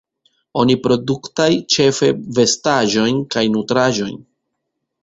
Oni produktaj ĉefe vestaĵojn kaj nutraĵojn.